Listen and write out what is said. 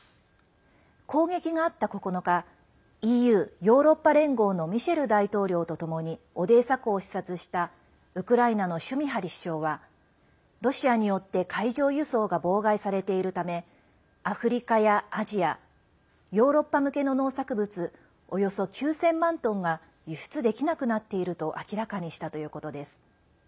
攻撃があった９日ＥＵ＝ヨーロッパ連合のミシェル大統領とともにオデーサ港を視察したウクライナのシュミハリ首相はロシアによって海上輸送が妨害されているためアフリカやアジアヨーロッパ向けの農作物およそ９０００万トンが輸出できなくなっていると明らかにしたということです。